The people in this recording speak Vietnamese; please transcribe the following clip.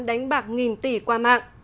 đánh bạc nghìn tỷ qua mạng